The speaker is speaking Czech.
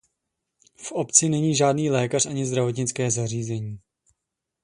V obci není žádný lékař ani zdravotnické zařízení.